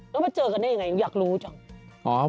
แล้วมาเจอกันได้ยังไงอยากรู้จัง